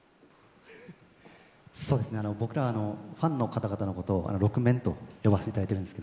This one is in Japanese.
僕らファンの方々の方をロクメンと呼ばせていただいているんです。